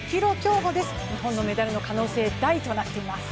日本のメダルの可能性大となっています。